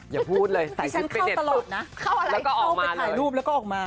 อย่าพูดเลยใส่ชุดไปเด็ดปุ๊บดิฉันเข้าตลอดนะเข้าอะไรเข้าไปถ่ายรูปแล้วก็ออกมา